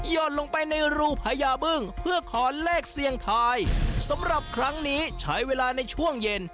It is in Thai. ลงไปในรูพญาบึ้งเพื่อขอเลขเสี่ยงทายสำหรับครั้งนี้ใช้เวลาในช่วงเย็น